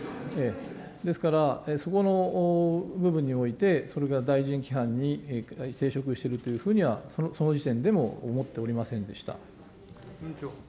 ですから、そこの部分においてそれが大臣規範に抵触しているというふうには、その時点でも思っておりませんでした。